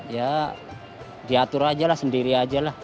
ya diatur aja lah sendiri aja lah